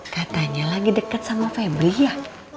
katanya lagi dekat sama febri ya